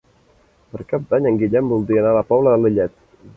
Per Cap d'Any en Guillem voldria anar a la Pobla de Lillet.